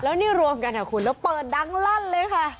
แล้วนี่รวมกันค่ะคุณแล้วเปิดดังลั่นเลยค่ะ